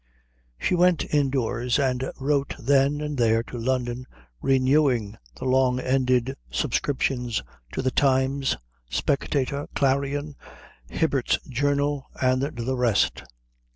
She went indoors and wrote then and there to London, renewing the long ended subscriptions to the Times, Spectator, Clarion, Hibbert's Journal, and the rest.